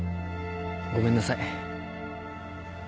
ごめんなさい